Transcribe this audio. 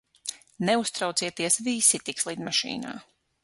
Neuztraucieties, visi tiks lidmašīnā.